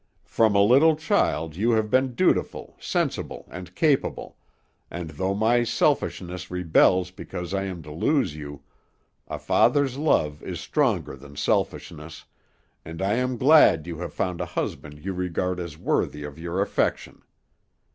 "From a little child you have been dutiful, sensible, and capable, and though my selfishness rebels because I am to lose you, a father's love is stronger than selfishness, and I am glad you have found a husband you regard as worthy of your affection.